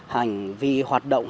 hành vi hoạt động